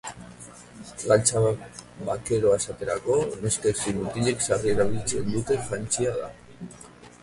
Galtza bakeroa esaterako, neskek zein mutilek sarri erabiltze duten jantzia da.